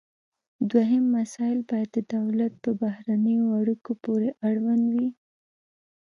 دوهم مسایل باید د دولت په بهرنیو اړیکو پورې اړوند وي